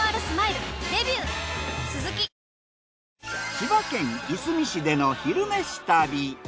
千葉県いすみ市での「昼めし旅」。